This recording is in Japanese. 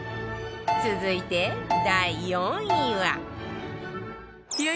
続いて第４位は